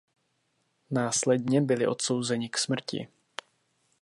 Následně byli odsouzeni k smrti.